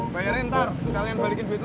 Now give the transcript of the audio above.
bayarin ntar sekalian balikin duit